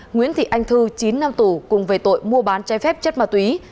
nguyễn thị anh thư chín năm tù cùng về tội mua bán trái phép chất ma túy